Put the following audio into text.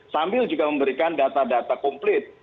sambil juga memberikan data data komplit